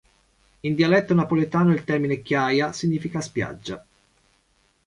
In dialetto napoletano il termine "chiaia" significa "spiaggia".